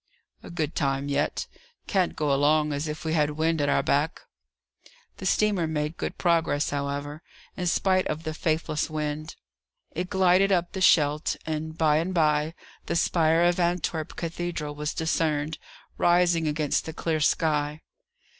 "A good time yet. Can't go along as if we had wind at our back." The steamer made good progress, however, in spite of the faithless wind. It glided up the Scheldt, and, by and by, the spire of Antwerp Cathedral was discerned, rising against the clear sky.